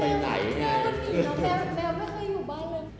แมวไม่เคยอยู่บ้านเลย